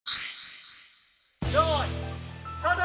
よーい、スタート！